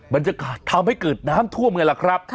มันจะทำให้เกิดน้ำท่วมไงล่ะครับ